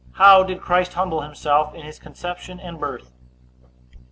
How did Christ humble himself in his conception and birth?